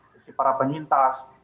sisi para penyintas